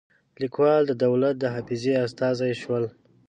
لیکوال د دولت د حافظې استازي شول.